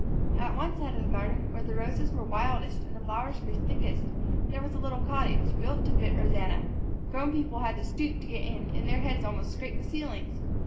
At one side of the garden where the roses were wildest and the flowers grew thickest was a little cottage, built to fit Rosanna. Grown people had to stoop to get in and their heads almost scraped the ceilings.